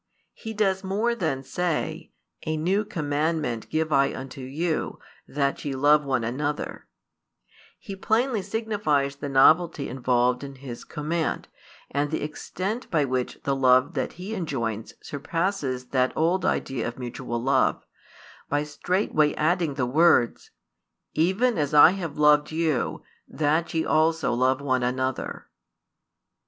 He does more than say: A new commandment give I unto you, that ye love one another; He plainly signifies the novelty involved in His command, and the extent by which the love that He enjoins surpasses that old idea of mutual love, by straightway adding the |218 words: Even as I have loved you, that ye also love one another.